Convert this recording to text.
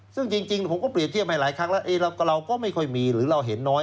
ซึ่งจริงผมก็เปรียบเทียบให้หลายครั้งแล้วเราก็ไม่ค่อยมีหรือเราเห็นน้อย